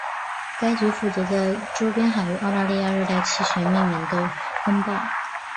该局负责在周边海域澳大利亚热带气旋命名的风暴。